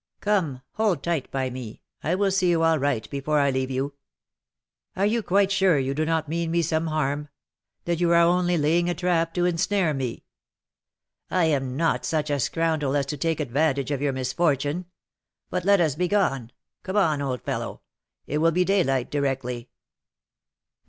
Come, hold tight by me; I will see you all right before I leave you." "Are you quite sure you do not mean me some harm? that you are only laying a trap to ensnare me?" "I am not such a scoundrel as to take advantage of your misfortune. But let us begone. Come on, old fellow; it will be daylight directly."